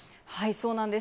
そうなんです。